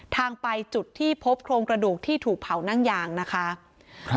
ทางไปจุดที่พบโครงกระดูกที่ถูกเผานั่งยางนะคะครับ